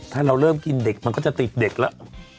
ถ้าเราเริ่มกินเด็กมันก็จะติดเด็กแล้ว